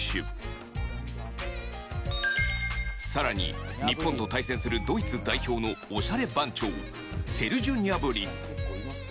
さらに日本と対戦するドイツ代表のオシャレ番長セルジュ・ニャブリ。